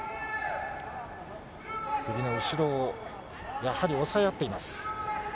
首の後ろをやはり押さえ合っています。